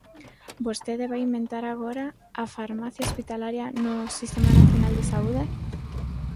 ¿Vostede vai inventar agora a farmacia hospitalaria no Sistema nacional de Saúde?